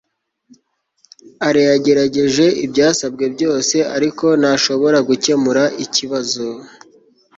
alain yagerageje ibyasabwe byose, ariko ntashobora gukemura ikibazo